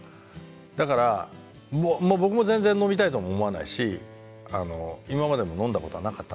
だから僕も全然飲みたいとも思わないし今までも飲んだことはなかったんだけど。